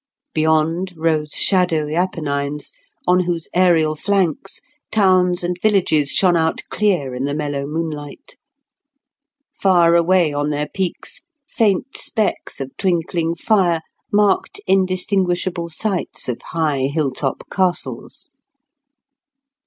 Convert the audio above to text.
Beyond, rose shadowy Apennines, on whose aerial flanks towns and villages shone out clear in the mellow moonlight. Far away on their peaks faint specks of twinkling fire marked indistinguishable sites of high hilltop castles.